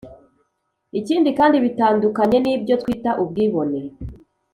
Ibi kandi bitandukanye n’ibyo twita ubwibone